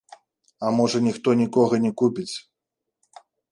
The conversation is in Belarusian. А можа, ніхто нікога не купіць.